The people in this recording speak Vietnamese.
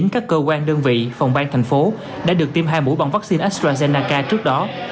các cơ quan đơn vị phòng bang thành phố đã được tiêm hai mũi bằng vaccine astrazeneca trước đó